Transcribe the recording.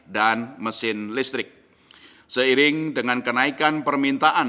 dan mesin listrik seiring dengan kenaikan permintaan